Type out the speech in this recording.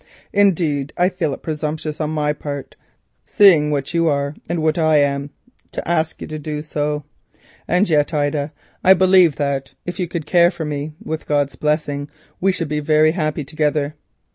Indeed, I feel it presumptuous on my part, seeing what you are and what I am not, to ask you to do so. And yet, Ida, I believe if you could care for me that, with heaven's blessing, we should be very happy together.